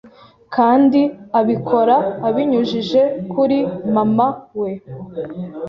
kandi abikora abinyujije kuri mama we